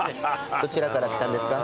どちらから来たんですか？